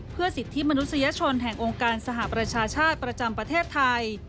เพื่อสิทธิมนุษยชนแห่งองค์การสหประชาชาติประจำประเทศไทย